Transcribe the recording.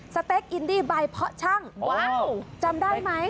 สเต็กอินดี้ใบเพาะช่างว้าวจำได้ไหม